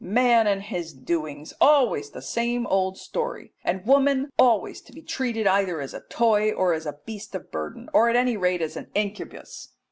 Man and his doings! always the same old story, and woman always to be treated either as a toy or as a beast of burden, or at any rate as an incubus.